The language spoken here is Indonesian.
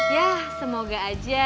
ya semoga aja